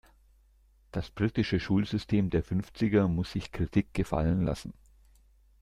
Das britische Schulsystem der Fünfziger muss sich Kritik gefallen lassen.